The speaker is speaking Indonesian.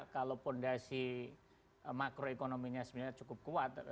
kalau fondasi makroekonominya sebenarnya cukup kuat